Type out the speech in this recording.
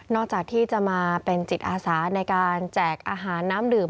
จากที่จะมาเป็นจิตอาสาในการแจกอาหารน้ำดื่ม